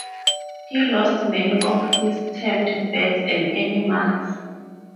He lost many of his tamed birds and animals.